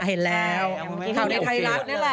เห็นแล้วเมื่อกี้เข้าในไทยรัฐนั่นแหละ